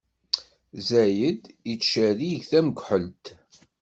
Zzayed ittcerrig tamekḥelt.